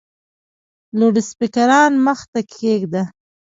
لوډسپیکران مخ ته کښېږده !